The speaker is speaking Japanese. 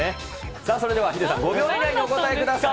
さあそれでは、ヒデさん、５秒以内にお答えください！